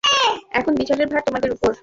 এখন বিচারের ভার তোমাদের উপর।